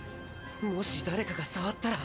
もし誰かが触ったら。